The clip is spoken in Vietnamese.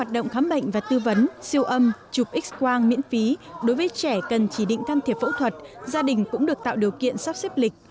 trong đó dịp quang miễn phí đối với trẻ cần chỉ định tham thiệp phẫu thuật gia đình cũng được tạo điều kiện sắp xếp lịch